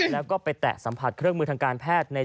แล้วก็ไปแตะสัมผัสเครื่องมือทางการแพทย์